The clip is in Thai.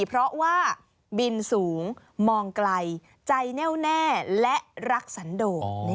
เพราะว่าบินสูงมองไกลใจแน่วแน่และรักสันโด